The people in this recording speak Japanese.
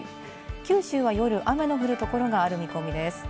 九州は夜、雨の降る所がある見込みです。